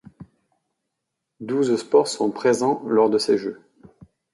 Douze sports sont présents lors de ces Jeux.